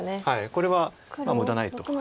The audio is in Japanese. これは無駄ないと。